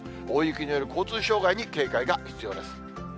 大雪による交通障害に警戒が必要です。